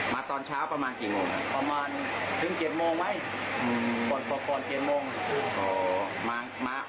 พ่อบอกว่าเขามานานแล้ว